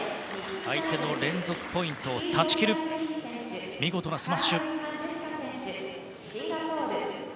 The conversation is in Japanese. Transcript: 相手の連続ポイントを断ち切る見事なスマッシュ。